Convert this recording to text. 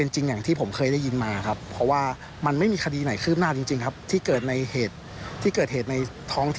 ก็ในการเป็นนักศึกษามันก็ทำอะไรได้ไม่เยอะครับ